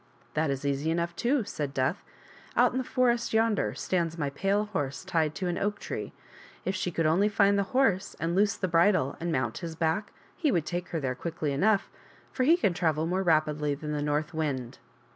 " That is easy enough, too," said Death ;" out in the forest yonder stands my pale horse tied to an oak tree. If she could only find the horse and loose the bridle and mount his back he would take her there quickly enough, for he can travel more rapidly than the north wind."